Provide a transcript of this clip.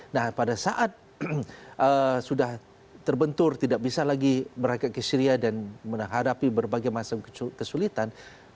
nah pada saat sudah terbentur tidak bisa lagi merakit ke syria dan menghadapi berbagai macam kesulitan